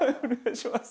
お願いします。